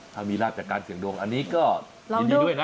ถ้ามีราบจากการเสี่ยงดวงอันนี้ก็ยินดีด้วยนะ